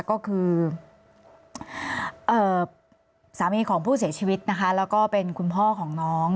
ก็คือสามีของผู้เสียชีวิตนะคะแล้วก็เป็นคุณพ่อของน้อง